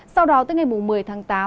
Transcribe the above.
sau đó tới ngày một mươi tháng tám